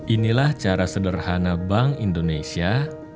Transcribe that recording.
inilah cara sederhana bank indonesia